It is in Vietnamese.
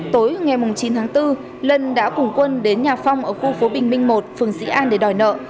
tối ngày chín tháng bốn lân đã cùng quân đến nhà phong ở khu phố bình minh một phường sĩ an để đòi nợ